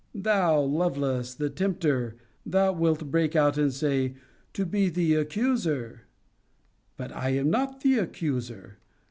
Thou, Lovelace, the tempter (thou wilt again break out and say) to be the accuser! But I am not the accuser.